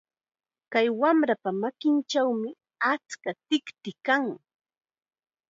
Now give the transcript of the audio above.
Kay wamrapa makinchawmi achka tikti kan.